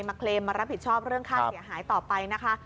เคลมมารับผิดชอบเรื่องค่าเสียหายต่อไปนะคะ